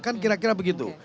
kan kira kira begitu